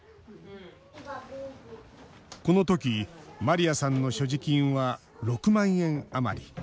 このとき、マリアさんの所持金は６万円余り。